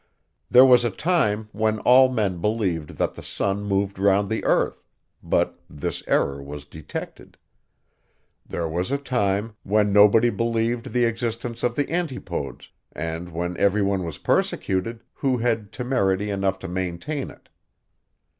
There was a time, when all men believed that the sun moved round the earth, but this error was detected. There was a time, when nobody believed the existence of the antipodes, and when every one was persecuted, who had temerity enough to maintain it.